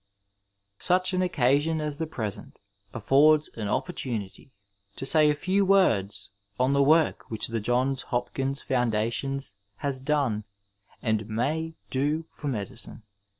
n Bndi an occasion as the present affords an opportunity to say a few words on the work which the Johns Hopkins foundations has done and may do for medicine.